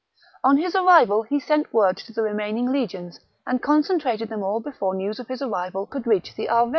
On his arrival he sent word to the remaining legions, and concentrated them all before news of his arrival could reach the 2 12 THE REBELLION BOOK 52 B.